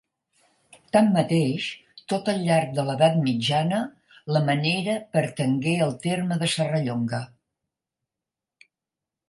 Tanmateix, tot al llarg de l'Edat Mitjana, la Menera pertangué al terme de Serrallonga.